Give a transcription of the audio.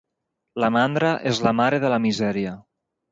La mandra és la mare de la misèria.